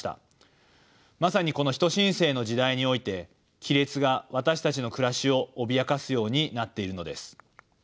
まさにこの人新世の時代において亀裂が私たちの暮らしを脅かすようになっているのです。